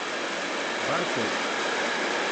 Beṛka-k.